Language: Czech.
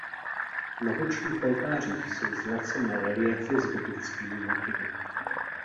Na bočních oltářích jsou zlacené reliéfy s biblickými motivy.